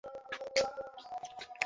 আমি টিনাকেই বিয়ে করবো।